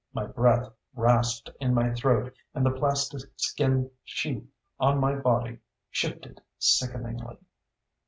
My breath rasped in my throat and the plastiskin sheath on my body shifted sickeningly.